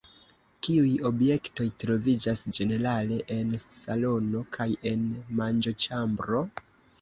Kiuj objektoj troviĝas ĝenerale en salono kaj en manĝoĉambro?